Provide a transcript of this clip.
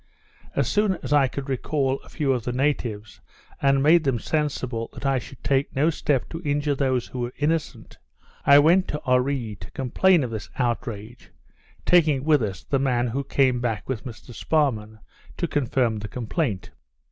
As soon as I could recal a few of the natives, and had made them sensible that I should take no step to injure those who were innocent, I went to Oree to complain of this outrage, taking with us the man who came back with Mr Sparrman, to confirm the complaint.